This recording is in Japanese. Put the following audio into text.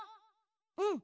うん。